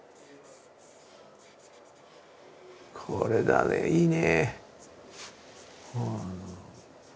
これだねいいね。